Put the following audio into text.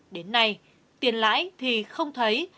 đến nay tiền lãi thì không thấy